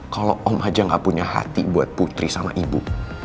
kalau om aja gak punya hati buat putri sama ibu